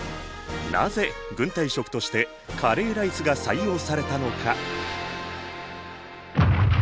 なぜ軍隊食としてカレーライスが採用されたのか？